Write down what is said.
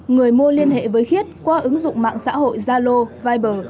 người mua liên hệ với khiết qua ứng dụng mạng xã hội zalo viber